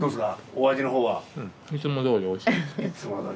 お味のほうは。いつもどおりおいしいですね。